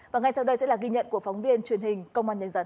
và ngay sau đây sẽ là ghi nhận của phóng viên truyền hình công an nhân dân